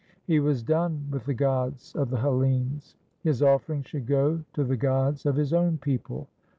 He was done with the gods of the Hellenes. His offering should go to the gods of his own people.